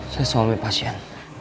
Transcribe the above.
saya selalu pasien